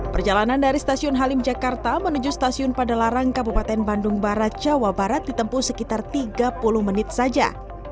perjalanan dari stasiun halim jakarta menuju stasiun padalarang kabupaten bandung barat jawa barat ditempuh sekitar tiga puluh menit saja